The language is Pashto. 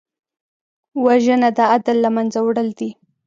وژنه د عدل له منځه وړل دي